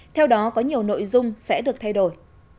theo đó có nhiều nội dung sẽ được thay đổi